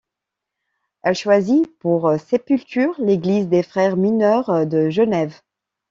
Elle choisit pour sépulture l'église des Frères mineurs de Genève.